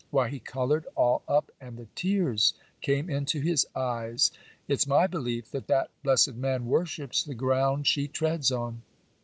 Why, he coloured all up and the tears came into his eyes. It's my belief that that blessed man worships the ground she treads on.